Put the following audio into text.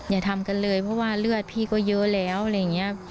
อย่าทำกันเลยเพราะว่าเลือดพี่ก็เยอะแล้ว